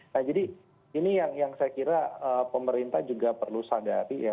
nah jadi ini yang saya kira pemerintah juga perlu sadari ya